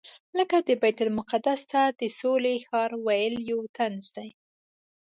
لکه د بیت المقدس ته د سولې ښار ویل یو طنز دی.